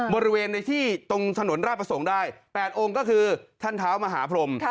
บริเวณในที่ตรงถนนราชประสงค์ได้๘องค์ก็คือท่านเท้ามหาพรม